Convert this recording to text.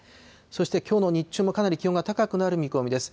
そしてきょうの日中もかなり気温が高くなる見込みです。